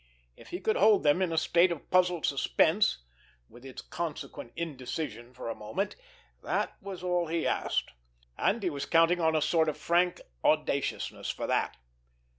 If he could hold them in a state of puzzled suspense with its consequent indecision for a moment, that was all he asked. And he was counting on a sort of frank audaciousness for that.